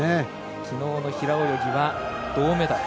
きのうの平泳ぎは銅メダル。